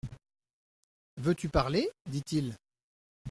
Veux-tu parler ? dit-il.